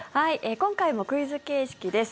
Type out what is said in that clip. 今回もクイズ形式です。